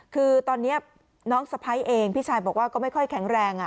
คือตอนนี้น้องสะพ้ายเองพี่ชายบอกว่าก็ไม่ค่อยแข็งแรง